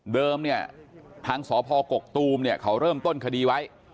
เนี่ยทางสพกกตูมเนี่ยเขาเริ่มต้นคดีไว้